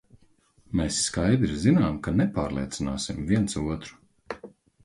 Mēs skaidri zinām, ka nepārliecināsim viens otru.